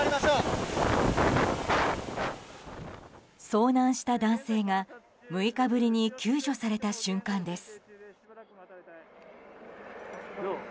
遭難した男性が６日ぶりに救助された瞬間です。